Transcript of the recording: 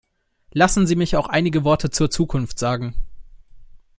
Lassen Sie mich auch einige Worte zur Zukunft sagen.